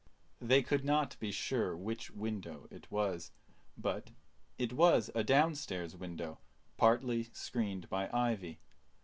They could not be sure which window it was, but it was a downstairs window, partly screened by ivy.